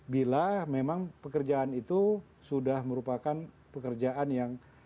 bila memang pekerjaan itu sudah merupakan pekerjaan yang